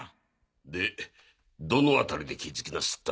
でどの辺りで気づきなすった？